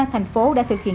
thành phố đã thực hiện